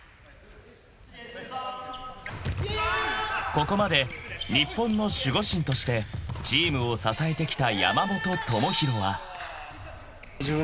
［ここまで日本の守護神としてチームを支えてきた］